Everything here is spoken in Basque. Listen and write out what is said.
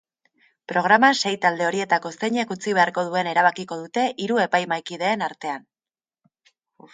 Programa sei talde horietako zeinek utzi beharko duen erabakiko dute hiru epaimahaikideen artean.